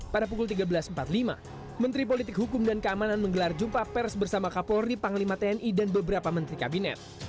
pada pukul tiga belas empat puluh lima menteri politik hukum dan keamanan menggelar jumpa pers bersama kapolri panglima tni dan beberapa menteri kabinet